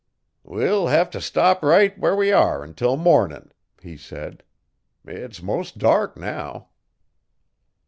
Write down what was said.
'We'll hev t' stop right where we are until mornin',' he said. 'It's mos' dark now.